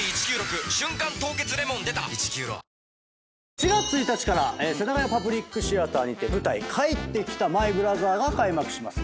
４月１日から世田谷パブリックシアターで舞台『帰ってきたマイ・ブラザー』が開幕します。